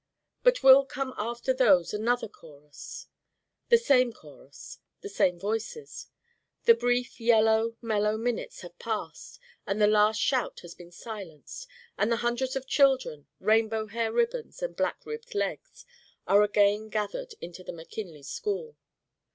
But will come after those another chorus: the same chorus: the same Voices. The brief yellow mellow minutes have passed and the last shout has been silenced and the hundreds of children, Rainbow Hair Ribbons and Black Ribbed Legs, are again gathered into the McKinley School.